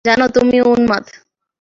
জানো, তুমিও উন্মাদ?